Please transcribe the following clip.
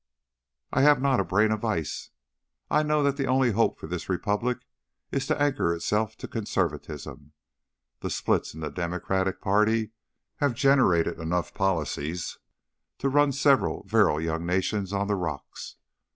"I have not a brain of ice. I know that the only hope for this Republic is to anchor itself to conservatism. The splits in the Democratic party have generated enough policies to run several virile young nations on the rocks.